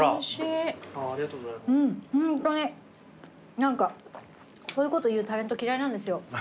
何かそういうこと言うタレント嫌いなんですよ。